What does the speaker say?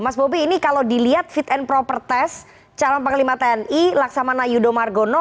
mas bobi ini kalau dilihat fit and proper test calon panglima tni laksamana yudho margono